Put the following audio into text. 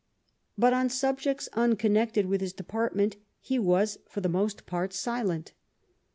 But on subjects unconnected with his depart ment he was for the most part silent.